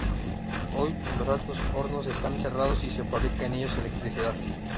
Hoy, los altos hornos están cerrados y se fabrica en ellos electricidad.